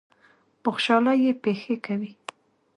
بخْشالۍ یې پېښې کوي.